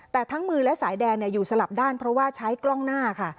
แต่ทั้งมือและสายแดนอยู่สลับด้านเพราะว่าใช้กล้องหน้าค่ะ